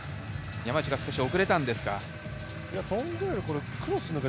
山内が少し遅れたんですか？